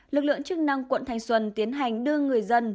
lực lượng chức năng quận thanh xuân tiến hành đưa người dân